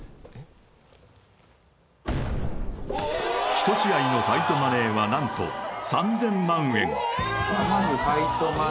１試合のファイトマネーは何と３０００万円